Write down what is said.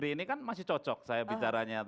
ini kan masih cocok saya bicaranya